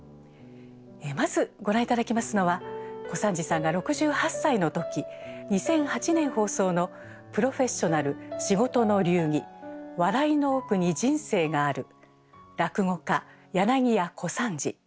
まずご覧頂きますのは小三治さんが６８歳の時２００８年放送の「プロフェッショナル仕事の流儀笑いの奥に、人生がある落語家・柳家小三治」。